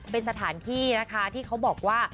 เป็นสถานที่นะคะที่เขาบอกว่า